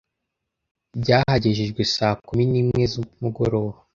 byahagejejwe saa kumi n’imwe z’umugoroba